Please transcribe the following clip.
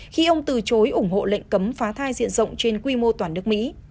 khi ông từ chối ủng hộ lệnh cấm phá thai diện rộng trên quy mô toàn nước mỹ